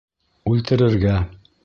Үлтерергә!